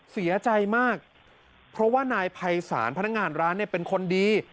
เสียใจมากเพราะว่านายภัยศาลพนักงานร้านเนี่ยเป็นคนดี